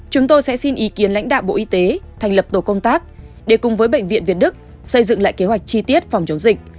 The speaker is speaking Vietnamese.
chúng tôi sẽ xin ý kiến lãnh đạo bộ y tế thành lập tổ công tác để cùng với bệnh viện việt đức xây dựng lại kế hoạch chi tiết phòng chống dịch